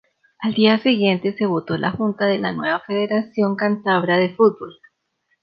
Al día siguiente se votó la junta de la nueva Federación Cántabra de Fútbol.